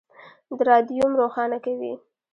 د رادیوم روښانه کوي.